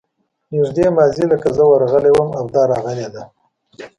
نږدې ماضي لکه زه ورغلی یم او دا راغلې ده.